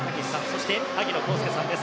そして萩野さんです。